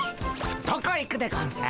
どこ行くでゴンス？